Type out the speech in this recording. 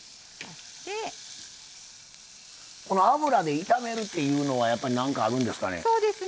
油で炒めるっていうのはやっぱり、なんかあるんですかね。